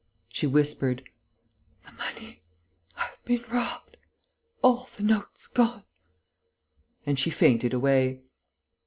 She whispered: "The money.... I've been robbed.... All the notes gone...." And she fainted away.